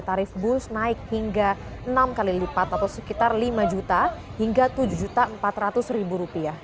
tarif bus naik hingga enam kali lipat atau sekitar lima juta hingga tujuh empat ratus rupiah